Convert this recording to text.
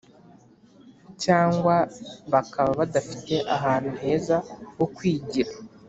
Cyangwa bakaba badafite ahantu heza ho kwigira